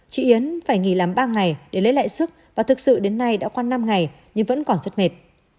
chị yến phải nghỉ làm ba ngày để lấy lại sức và thực sự đến nay đã qua năm ngày nhưng vẫn còn rất mệt